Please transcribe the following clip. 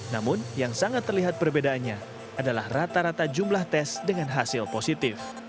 namun yang sangat terlihat perbedaannya adalah rata rata jumlah tes dengan hasil positif